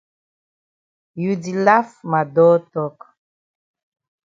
You di laf ma dull tok.